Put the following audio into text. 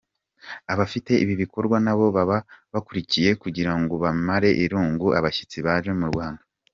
Abafite ibi bikorwa nabo baba babukereye kugira ngo bamare irungu abashyitsi baje mu Rwanda.